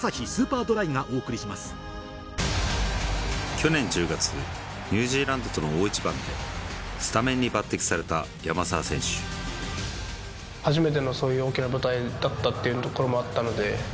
去年１０月ニュージーランドとの大一番でスタメンに抜てきされた山沢選手だったっていうところもあったので。